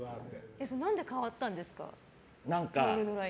何で変わったんですか？